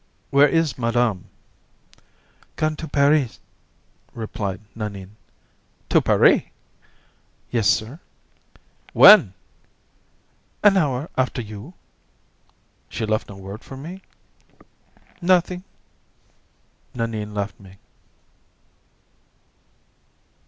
"Where is madame?" "Gone to Paris," replied Nanine. "To Paris!" "Yes, sir." "When?" "An hour after you." "She left no word for me?" "Nothing." Nanine left me.